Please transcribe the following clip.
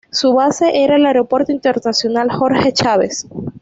Su base era el Aeropuerto Internacional Jorge Chávez.